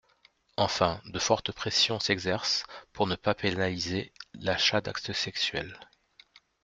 Enfin, de fortes pressions s’exercent pour ne pas pénaliser l’achat d’actes sexuels.